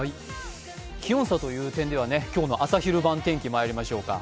気温差という点では今日の朝昼晩天気いきましょうか。